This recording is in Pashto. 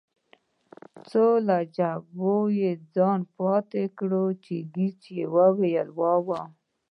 څو له جبهې څخه ځان پاتې کړم، ګېج وویل: وا وا.